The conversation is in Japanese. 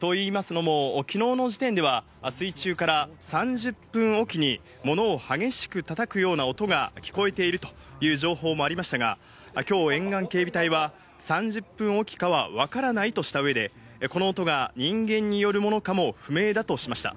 といいますのも、きのうの時点では水中から３０分おきに物を激しくたたくような音が聞こえているという情報もありましたが、きょう沿岸警備隊は３０分おきかは分からないとした上で、この音が人間によるものかも不明だとしました。